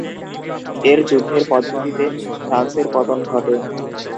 এর যুদ্ধের পদ্ধতিতে ফ্রান্সের পতন ঘটে।